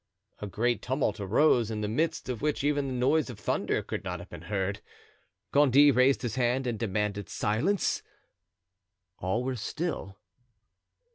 A great tumult arose, in the midst of which even the noise of thunder could not have been heard. Gondy raised his hand and demanded silence. All were still.